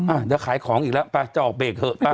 อ่ะเดี๋ยวขายของอีกแล้วไปจะออกเบรกเถอะไป